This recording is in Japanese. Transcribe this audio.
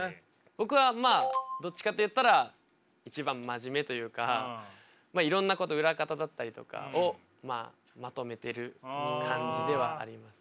僕はまあどっちかっていったら一番真面目というかいろんなこと裏方だったりとかをまとめてる感じではあります。